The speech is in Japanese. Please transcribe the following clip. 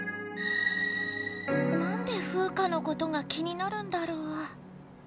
なんでフウカのことが気になるんだろう。